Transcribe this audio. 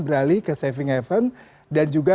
beralih ke saving event dan juga